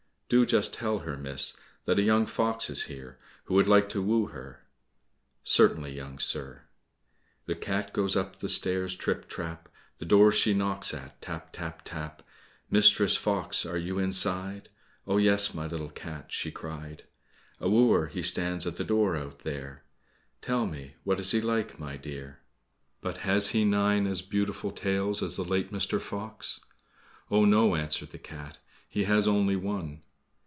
"Do just tell her, miss, that a young fox is here, who would like to woo her." "Certainly, young sir." The cat goes up the stairs trip, trap, The door she knocks at tap, tap, tap, "Mistress Fox, are you inside?" "Oh yes, my little cat," she cried. "A wooer he stands at the door out there." "Tell me what he is like, my dear?" "But has he nine as beautiful tails as the late Mr. Fox?" "Oh, no," answered the cat, "he has only one."